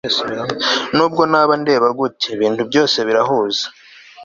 Nubwo naba ndeba gute ibintu byose birahuza